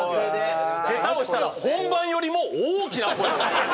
下手をしたら本番よりも大きな声を出してる。